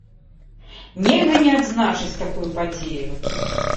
Нельга не адзначыць такую падзею!